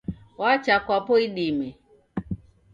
Wacha kwapo idime.